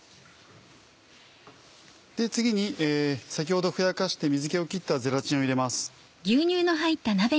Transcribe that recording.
次に先ほどふやかして水気を切ったゼラチンを入れます。